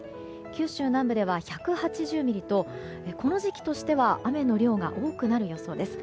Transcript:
九州南部では１８０ミリとこの時期としては雨の量が多くなる予想です。